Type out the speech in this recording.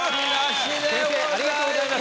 ありがとうございます。